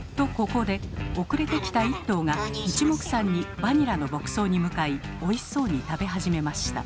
ここで遅れて来た１頭がいちもくさんに「バニラ」の牧草に向かいおいしそうに食べ始めました。